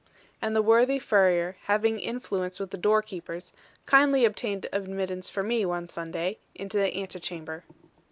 And the worthy furrier, having influence with the door keepers, kindly obtained admittance for me, one Sunday, into the antechamber.